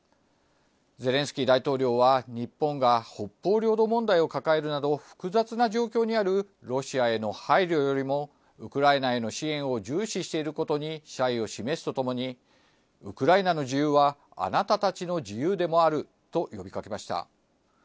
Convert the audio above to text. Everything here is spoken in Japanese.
ゼレンスキー大統領は、日本が北方領土問題を抱えるなど、複雑な状況にあるロシアへの配慮よりも、ウクライナへの支援を重視していることに謝意を示すとともに、ウクライナの自由はあなたたちの自由でもあると呼びかけました。